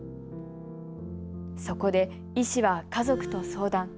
そこで、医師は家族と相談。